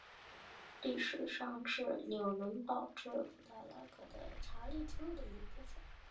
历史上是纽伦堡至布拉格的查理之路的一部份。